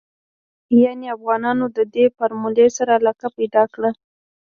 يانې افغانانو ددې فارمولې سره علاقه پيدا کړې.